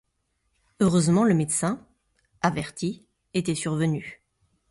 Heureusement le médecin, averti, était survenu.